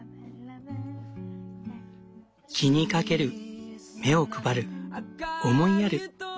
気にかける目を配る思いやる。